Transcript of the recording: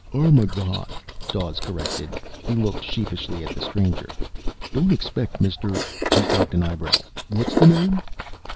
"_Arma_gon," Dawes corrected. He looked sheepishly at the stranger. "Don't expect Mister " He cocked an eyebrow. "What's the name?"